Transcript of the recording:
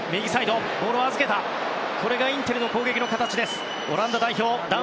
これがインテルの攻撃の形。